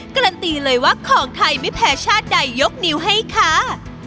การันตีเลยว่าของไทยไม่แพ้ชาติใดยกนิ้วให้ค่ะ